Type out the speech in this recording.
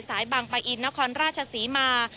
สายบางปะอินนครราชศรีมา